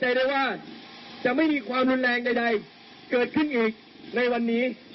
ใดได้ว่าจะไม่มีความรุนแรงใดเกิดขึ้นอีกในวันนี้